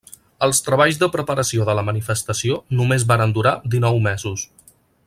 Els treballs de preparació de la manifestació només varen durar dinou mesos.